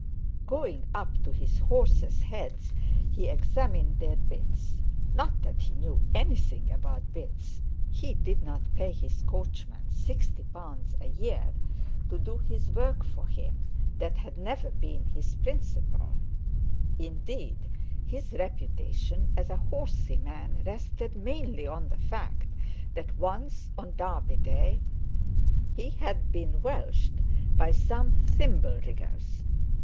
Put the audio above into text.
Going up to his horses' heads, he examined their bits; not that he knew anything about bits—he didn't pay his coachman sixty pounds a year to do his work for him, that had never been his principle. Indeed, his reputation as a horsey man rested mainly on the fact that once, on Derby Day, he had been welshed by some thimble riggers.